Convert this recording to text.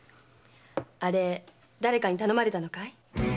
あれ誰かに頼まれたのかい？